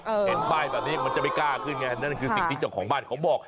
เห็นป้ายแบบนี้มันจะไม่กล้าขึ้นไงนั่นคือสิ่งที่เจ้าของบ้านเขาบอก